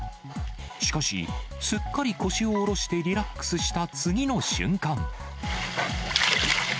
しかし、すっかり腰を下ろしてリラックスした次の瞬間。